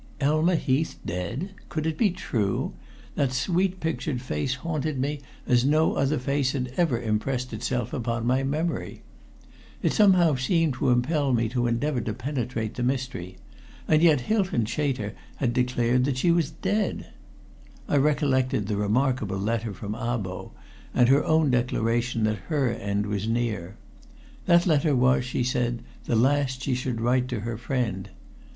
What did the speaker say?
Elma Heath dead! Could it be true? That sweet pictured face haunted me as no other face had ever impressed itself upon my memory. It somehow seemed to impel me to endeavor to penetrate the mystery, and yet Hylton Chater had declared that she was dead! I recollected the remarkable letter from Abo, and her own declaration that her end was near. That letter was, she said, the last she should write to her friend.